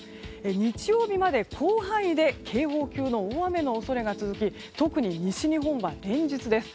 日曜日まで広範囲で警報級の大雨の恐れが続き特に西日本は連日です。